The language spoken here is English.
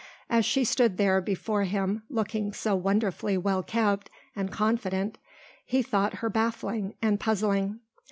As she stood there before him looking so wonderfully well kept and confident he thought her baffling and puzzling.